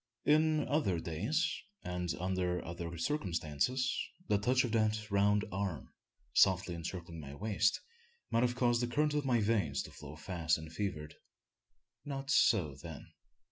Is other days, and under other circumstances, the touch of that round arm, softly encircling my waist, might have caused the current of my veins to flow fast and fevered. Not so then.